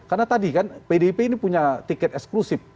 karena tadi kan pdip ini punya tiket eksklusif